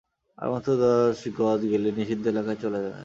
আর মাত্র দশ গজ গেলেই নিষিদ্ধ এলাকায় চলে যাবেন।